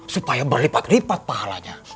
supaya berlipat lipat pahalanya